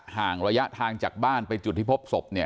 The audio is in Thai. ห่างระยะทางจากบ้านไปจุดที่พบศพเนี่ย